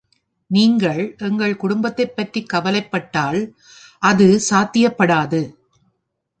நீங்கள் எங்கள் குடும்பத்தைப் பற்றி கவலைப்பட்டால், அது சாத்தியப்படாது.